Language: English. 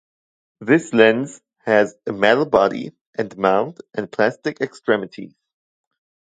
This lens has a metal body and mount, and plastic extremities.